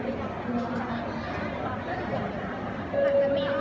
พี่แม่ที่เว้นได้รับความรู้สึกมากกว่า